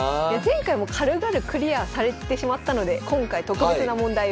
前回も軽々クリアされてしまったので今回特別な問題をご用意しました。